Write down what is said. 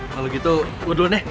kalau gitu gue dulun ya